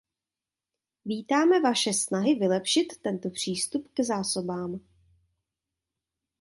Vítáme vaše snahy vylepšit tento přístup k zásobám.